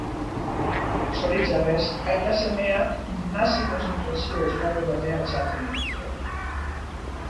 Zoritxarrez aita-semeak nazi kontzentrazio esparru batean sartzen dituzte.